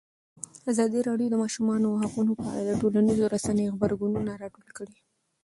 ازادي راډیو د د ماشومانو حقونه په اړه د ټولنیزو رسنیو غبرګونونه راټول کړي.